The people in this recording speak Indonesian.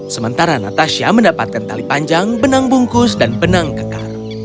sementara natasha mendapatkan tali panjang benang bungkus dan benang kekar